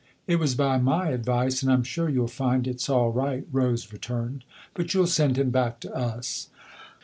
" It was by my advice, and I'm sure you'll find it's all right," Rose returned. " But you'll send him back to us."